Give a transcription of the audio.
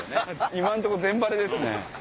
今のとこ全バレですね。